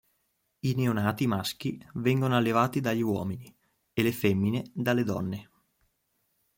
I neonati maschi vengono allevati dagli uomini e le femmine dalle donne.